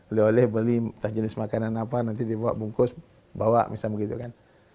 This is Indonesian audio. oleh oleh beli entah jenis makanan apa nanti dibawa bungkus bawa misalnya begitu kan